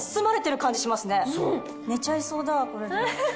寝ちゃいそうだこれで。